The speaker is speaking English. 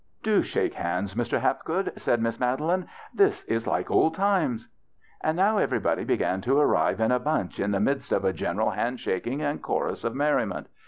"Do shake hands, Mr. Hapgood," said Miss Madeline ; "this is like old times." And now everybody began to arrive in a bunch in the midst of a general handshaking and chorus of merriment.